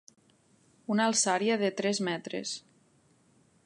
Una alçària de tres metres.